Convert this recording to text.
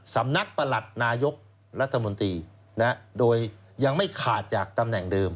ประหลัดนายกรัฐมนตรีโดยยังไม่ขาดจากตำแหน่งเดิม